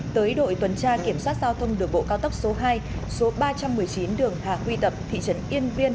tới đội tuần tra kiểm soát giao thông đường bộ cao tốc số hai số ba trăm một mươi chín đường hà huy tập thị trấn yên viên